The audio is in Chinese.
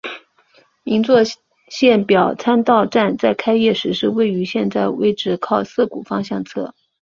银座线表参道站在开业时是位在现在位置靠涩谷方向侧。